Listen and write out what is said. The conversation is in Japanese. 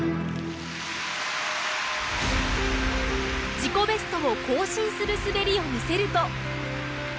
自己ベストを更新する滑りを見せると。